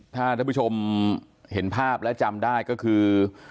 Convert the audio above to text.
ถ้าท่านผู้ชมเห็นภาพและจำได้ก็คือ